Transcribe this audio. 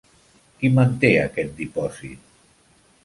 Qui manté aquest dipòsit?